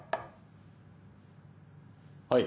はい。